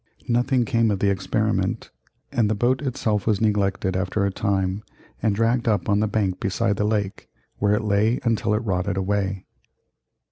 Nothing came of the experiment, and the boat itself was neglected after a time and dragged up on the bank beside the lake, where it lay until it rotted away.